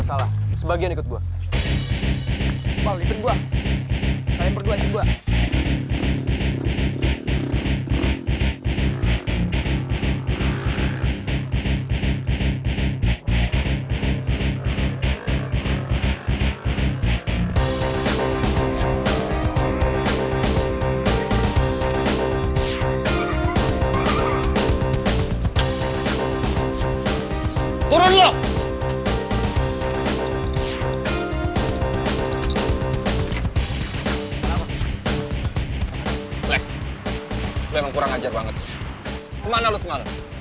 sampai jumpa di video selanjutnya